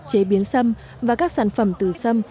chế biến xâm và các sản phẩm từ xâm